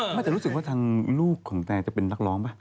ไม่แต่รู้สึกว่าทางลูกของแตนจะเป็นนักร้องป่ะ